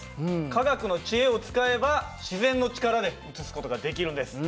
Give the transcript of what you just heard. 科学の知恵を使えば自然の力で移す事ができるんです。